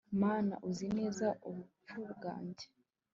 mana, uzi neza ubupfu bwanjye